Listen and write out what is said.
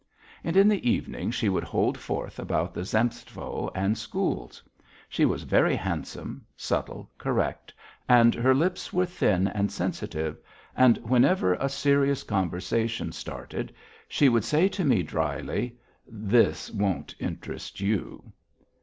And in the evening she would hold forth about the Zemstvo and schools. She was very handsome, subtle, correct, and her lips were thin and sensitive, and whenever a serious conversation started she would say to me drily: "This won't interest you."